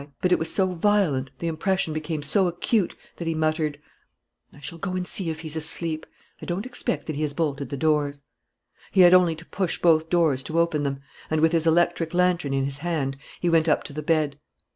But it was so violent, the impression became so acute, that he muttered: "I shall go and see if he's asleep. I don't expect that he has bolted the doors." He had only to push both doors to open them; and, with his electric lantern in his hand, he went up to the bed.